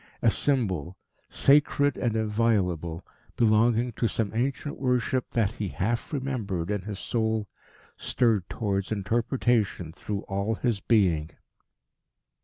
A symbol, sacred and inviolable, belonging to some ancient worship that he half remembered in his soul, stirred towards interpretation through all his being.